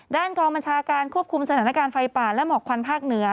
กองบัญชาการควบคุมสถานการณ์ไฟป่าและหมอกควันภาคเหนือ